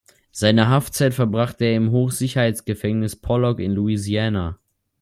Seine Haftzeit verbrachte er im Hochsicherheitsgefängnis Pollock in Louisiana.